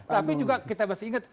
tapi juga kita masih ingat